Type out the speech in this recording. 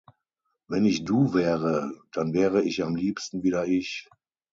Wenn ich du wäre, dann wäre ich am Liebsten wieder ich.